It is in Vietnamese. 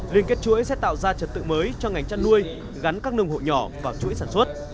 liên kết chuỗi sẽ tạo ra trật tự mới cho ngành chăn nuôi gắn các nông hộ nhỏ vào chuỗi sản xuất